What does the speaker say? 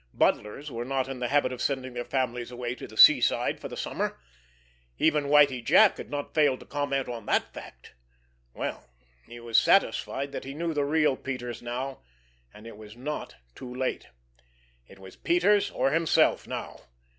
Butlers were not in the habit of sending their families away to the seaside for the summer! Even Whitie Jack had not failed to comment on that fact. Well, he was satisfied that he knew the real Peters now, and it was not too late. It was Peters, or himself now.